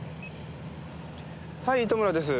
はい糸村です。